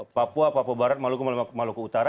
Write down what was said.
papua papua barat maluku maluku utara